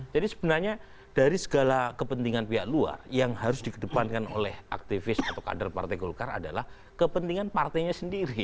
jadi sebenarnya dari segala kepentingan pihak luar yang harus dikedepankan oleh aktivis atau kader partai golkar adalah kepentingan partainya sendiri